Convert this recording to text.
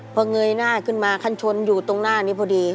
พอเงยหน้าขึ้นมาคันชนอยู่ตรงหน้านี้พอดี